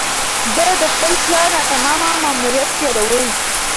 ده د خپل پلار ناتمام ماموریت یادوي.